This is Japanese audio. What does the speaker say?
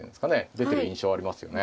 出てる印象ありますよね。